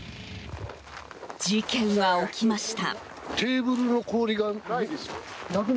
事件は起きました。